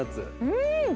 うん！